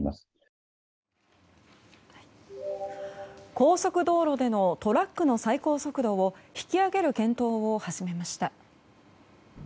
高速道路でのトラックの最高速度を引き上げる検討を始めました。